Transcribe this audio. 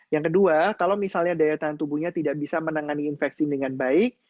yang kedua kalau misalnya daya tahan tubuhnya tidak bisa menangani infeksi dengan baik